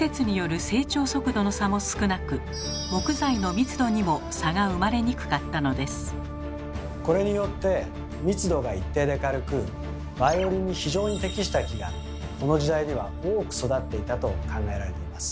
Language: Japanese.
そのためこれによって密度が一定で軽くバイオリンに非常に適した木がこの時代には多く育っていたと考えられています。